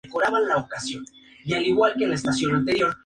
Kavala de Grecia, firmó por el Boro de la First Division Inglesa.